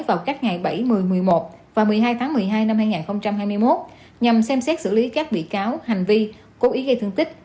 vào các ngày bảy một mươi một mươi một và một mươi hai tháng một mươi hai năm hai nghìn hai mươi một nhằm xem xét xử lý các bị cáo hành vi cố ý gây thương tích